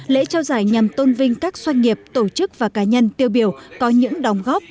lễ trao giải nhằm tôn vinh các doanh nghiệp tổ chức và cá nhân tiêu biểu có những đóng góp